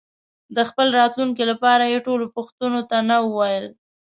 د خپل راتلونکي لپاره یې ټولو پوښتنو ته نه وویل.